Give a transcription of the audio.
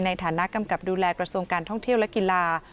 ในฐานะกำกับดูแลกระทรวงการท่องเที่ยวและกีฬา